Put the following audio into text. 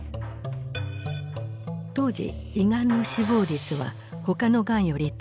当時胃がんの死亡率は他のがんより高かった。